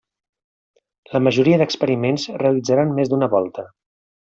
La majoria d'experiments realitzaran més d'una volta.